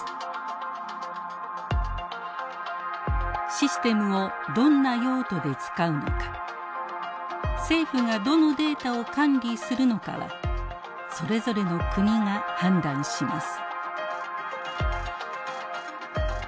システムをどんな用途で使うのか政府がどのデータを管理するのかはそれぞれの国が判断します。